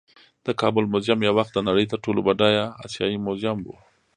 د کابل میوزیم یو وخت د نړۍ تر ټولو بډایه آسیايي میوزیم و